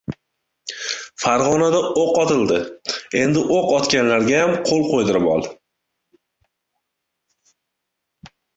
Farg‘onada o‘q otildi, endi o‘q otganlargayam qo‘l qo‘ydirib ol!